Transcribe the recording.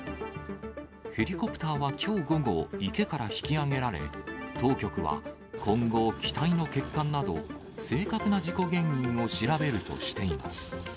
ヘリコプターはきょう午後、池から引き揚げられ、当局は今後、機体の欠陥など、正確な事故原因を調べるとしています。